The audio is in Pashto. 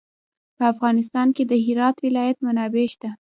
په افغانستان کې د هرات ولایت منابع شته.